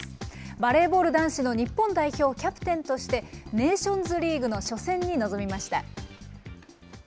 バレーボール男子の日本代表キャプテンとして、ネーションズリーグの初戦に臨みました。